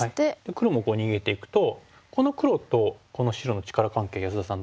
黒もこう逃げていくとこの黒とこの白の力関係安田さん